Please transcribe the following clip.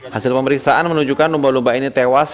hasil pemeriksaan menunjukkan lumba lumba ini tewas